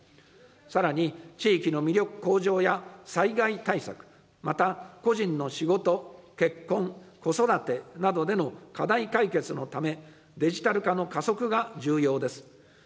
さらに、地域の魅力向上や災害対策、また個人の仕事、結婚、子育てなどでの課題解決のため、デジタル化の加速が重要です。